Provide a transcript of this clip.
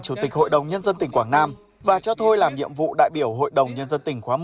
chủ tịch hội đồng nhân dân tỉnh quảng nam và cho thôi làm nhiệm vụ đại biểu hội đồng nhân dân tỉnh quảng nam